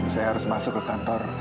saya harus masuk ke kantor